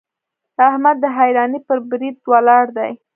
احمد د حيرانۍ پر بريد ولاړ دی.